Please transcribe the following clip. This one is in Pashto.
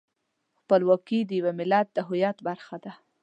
خپلواکي د یو ملت د هویت برخه ده.